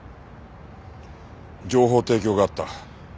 情報提供があった。